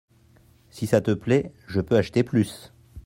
Si ça te plait je peux acheter plus.